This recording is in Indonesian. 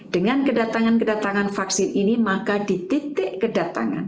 dengan kedatangan kedatangan vaksin ini maka di titik kedatangan